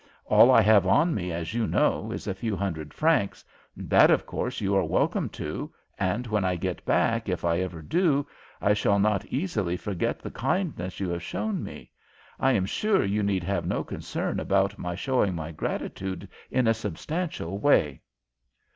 All I have on me, as you know, is a few hundred francs, and that, of course, you are welcome to, and when I get back, if I ever do, I shall not easily forget the kindness you have shown me. I am sure you need have no concern about my showing my gratitude in a substantial way."